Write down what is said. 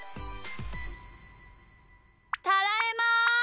ただいま。